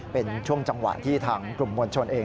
เป็นช่วงจังหวะที่ทางกลุ่มมวลชนเอง